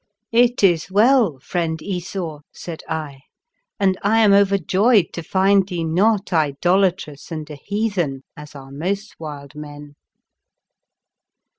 "It is well, friend Esau," said I, '* and I am overjoyed to find thee not idolatrous and a heathen, as are most wild men."